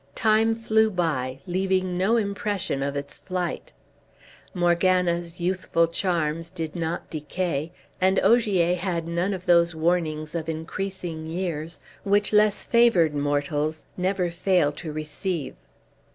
Time flew by, leaving no impression of its flight. Morgana's youthful charms did not decay, and Ogier had none of those warnings of increasing years which less favored mortals never fail to receive.